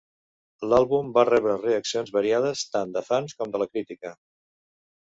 L'àlbum va rebre reaccions variades tant dels fans com de la crítica.